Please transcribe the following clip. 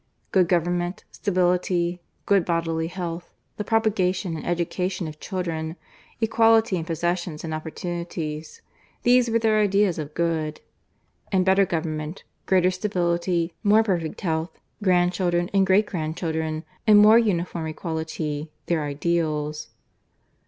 Good government, stability, good bodily health, the propagation and education of children, equality in possessions and opportunities these were their ideas of good; and better government, greater stability, more perfect health, grandchildren and great grandchildren, and more uniform equality, their ideals.